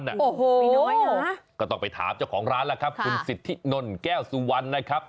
โอ้โหมีน้อยนะครับก็ต้องไปถามเจ้าของร้านล่ะครับคุณสิทธินลแก้วสุวรรณนะครับ